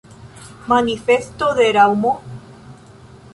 Manifesto de Raŭmo?